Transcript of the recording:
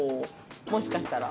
もしかしたら。